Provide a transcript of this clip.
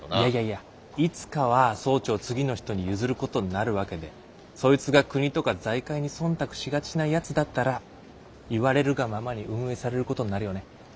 いやいやいやいつかは総長を次の人に譲ることになるわけでそいつが国とか財界に忖度しがちなやつだったら言われるがままに運営されることになるよね。